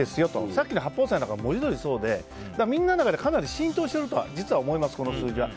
さっきの八宝菜なんかは文字どおりそうでみんなの中でかなり浸透している数字だと思います。